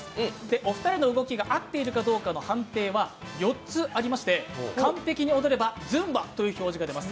お二人の動きが合っているかの判定は４つありまして、完璧に踊れればＺＵＭＢＡという表示が出ます。